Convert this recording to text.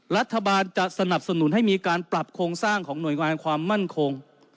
รัฐบาลจะสนับสนุนให้มีการปรับโครงสร้างของหน่วยงานความมั่นคง